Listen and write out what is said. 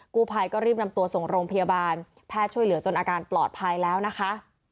กู้ภัยก็รีบนำตัวส่งโรงพยาบาลแพทย์ช่วยเหลือจนอาการปลอดภัยแล้วนะคะ